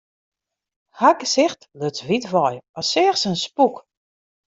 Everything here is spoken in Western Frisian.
Har gesicht luts wyt wei, as seach se in spûk.